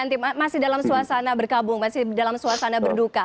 masih dalam suasana berkabung masih dalam suasana berduka